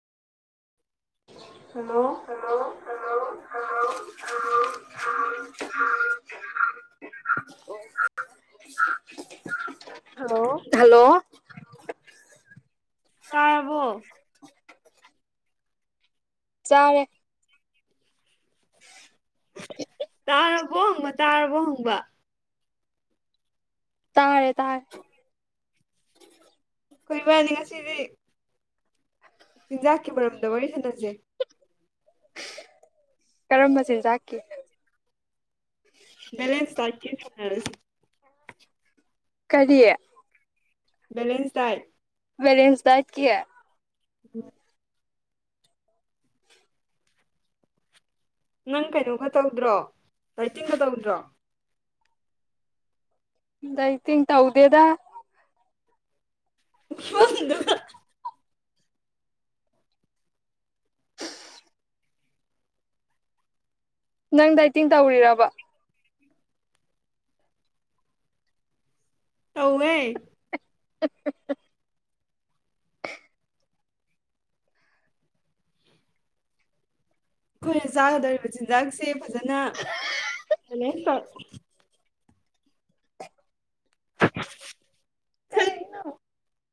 Hello hello hello hello [inaudible] [inaudible] hello hello ꯇꯔꯕꯣ ꯆꯥꯔꯦ [inaudible] ꯇꯥꯔꯕꯣ ꯍꯪꯕ ꯇꯥꯔꯕꯣ ꯍꯪꯕ ꯇꯥꯔꯦ ꯇꯥꯔꯦ ꯈꯣꯏꯕꯅꯤ ꯉꯁꯤꯗꯤ ꯆꯤꯟꯖꯥꯛꯀꯤ ꯃꯔꯝꯗ ꯋꯥꯔꯤ ꯁꯥꯟꯅꯁꯦ꯫ ꯀꯔꯝꯕ ꯆꯤꯟꯖꯥꯛꯀꯤ ꯕꯦꯂꯦꯟꯁ ꯗꯥꯏꯛꯀꯤ ꯁꯅꯔꯁꯤ꯫ ꯀꯔꯤ ꯕꯦꯂꯦꯟꯁ ꯗꯥꯏꯠ ꯕꯦꯂꯦꯟꯁ ꯗꯥꯏꯠꯀꯤ [unintelligible] ꯅꯪ ꯀꯩꯅꯣꯒ ꯇꯧꯗ꯭ꯔꯣ ꯗꯥꯏꯇꯤꯡꯒ ꯇꯧꯗ꯭ꯔꯣ ꯗꯥꯏꯇꯤꯡ ꯇꯧꯗꯦꯗ [unintelligible] ꯅꯪ ꯗꯥꯏꯇꯤꯡ ꯇꯧꯔꯤꯔꯕ ꯇꯧꯋꯦ [unintelligible] ꯑꯈꯣꯏꯅ ꯆꯥꯒꯗꯧꯔꯤꯕ ꯆꯤꯟꯖꯥꯛꯁꯦ ꯐꯖꯅ ꯕꯦꯂꯦꯟꯁ ꯇꯧ [unintelligible] [unintelligible]